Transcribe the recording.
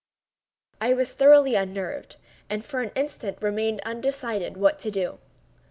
I was thoroughly unnerved, and for an instant remained undecided what to do.